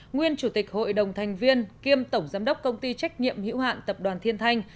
nguyên chủ tịch hội đồng thành viên kiêm tổng giám đốc công ty trách nhiệm hữu hạn tập đoàn thiên thanh